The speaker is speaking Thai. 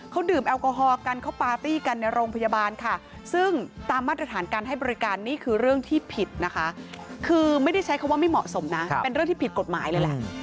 เขาดื่มแอลกอฮอลกันเขาปาร์ตี้กันในโรงพยาบาลค่ะซึ่งตามมาตรฐานการให้บริการนี่คือเรื่องที่ผิดนะคะคือไม่ได้ใช้คำว่าไม่เหมาะสมนะเป็นเรื่องที่ผิดกฎหมายเลยแหละ